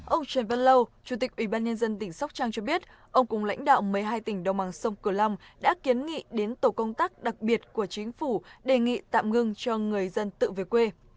ông trần văn lâu chủ tịch ubnd tỉnh sóc trang cho biết ông cùng lãnh đạo một mươi hai tỉnh đồng bằng sông cửu long đã kiến nghị đến tổ công tác đặc biệt của chính phủ đề nghị tạm ngưng cho người dân tự về quê